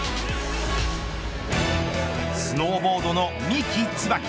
スノーボードの三木つばき。